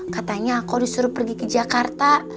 katanya aku disuruh pergi ke jakarta